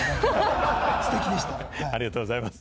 ありがとうございます。